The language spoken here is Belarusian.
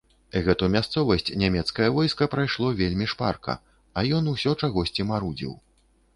Гэту мясцовасць нямецкае войска прайшло вельмі шпарка, а ён усё чагосьці марудзіў.